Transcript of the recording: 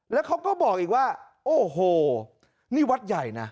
แล้วเขาก็บอกอีกว่าโอ้โหนี่วัดใหญ่นะ